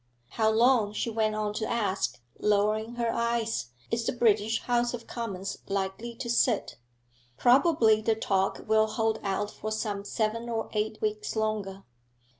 How' long,' she went on to ask, lowering her eyes, 'is the British House of Commons likely to sit?' 'Probably the talk will hold out for some seven or eight weeks longer.'